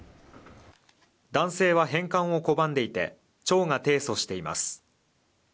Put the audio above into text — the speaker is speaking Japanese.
男性は返還を拒んでいて町が提訴しています。